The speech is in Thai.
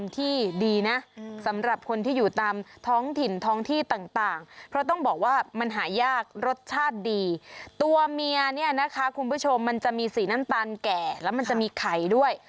ที่ดีนะสำหรับคนที่อยู่ตามท้องถิ่นท้องที่ต่างเพราะต้องบอกว่ามันหายากรสชาติดีตัวเมียเนี่ยนะคะคุณผู้ชมมันจะมีสีน้ำตาลแก่แล้วมันจะมีไข่ด้วย